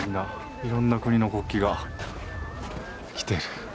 いろんな国の国旗が来てる。